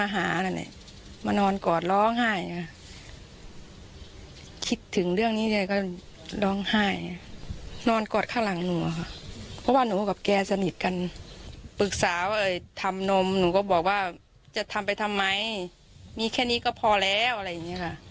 หนูก็บอกว่าจะทำไปทำไมมีแค่นี้ก็พอแล้วอะไรอย่างนี้ค่ะ